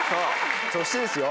そしてですよ